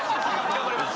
頑張ります。